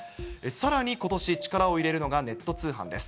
さらにことし、力を入れるのがネット通販です。